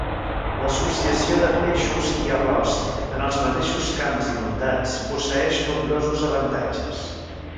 L'associació de peixos i arròs en els mateixos camps inundats posseeix nombrosos avantatges.